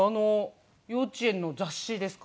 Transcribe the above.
『幼稚園』の雑誌ですか？